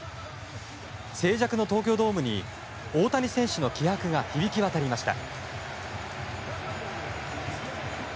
静寂の東京ドームに大谷選手の気迫が響き渡りました。